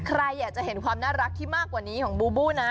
ใครอยากจะเห็นความน่ารักที่มากกว่านี้ของบูบูนะ